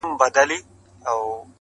زړه راته زخم کړه، زارۍ کومه